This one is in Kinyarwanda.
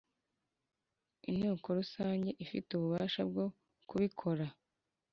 Inteko rusange ifite ububasha bwo kubikora